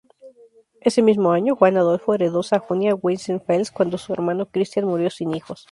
Ese mismo año, Juan Adolfo heredó Sajonia-Weissenfels cuando su hermano Cristián murió sin hijos.